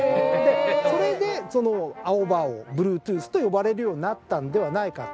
それで青歯王ブルートゥースと呼ばれるようになったんではないかという。